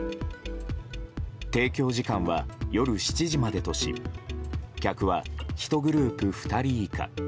提供時間は夜７時までとし客は１グループ２人以下。